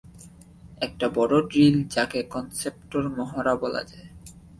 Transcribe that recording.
একটা বড় ড্রিল যাকে কনসেপ্টের মহড়া বলা যায়।